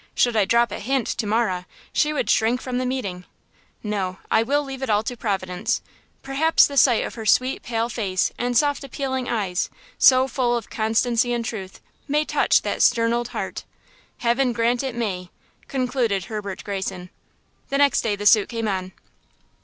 Should I drop a hint to Marah she would shrink from the meeting! No, I will leave it all to Providence–perhaps the sight of her sweet, pale face and soft, appealing eyes, so full of constancy and truth, may touch that stern old heart! Heaven grant it may!" concluded Herbert Greyson. The next day the suit came on.